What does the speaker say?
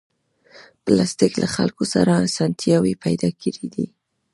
پلاستيک له خلکو سره اسانتیاوې پیدا کړې دي.